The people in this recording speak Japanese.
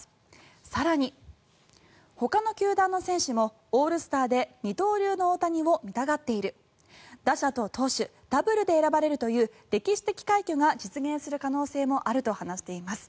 更に、ほかの球団の選手もオールスターで二刀流の大谷を見たがっている打者と投手ダブルで選ばれるという歴史的快挙が実現する可能性もあると話しています。